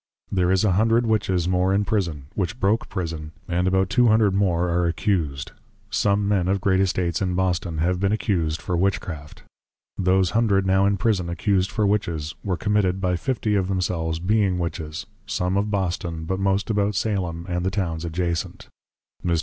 There is a hundred Witches more in Prison, which broke Prison, and about two Hundred more are Accus'd, some Men of great Estates in Boston, have been accus'd for Witchcraft. Those Hundred now in Prison accus'd for Witches, were Committed by fifty of themselves being Witches, some of Boston, but most about Salem, and the Towns Adjacent. Mr.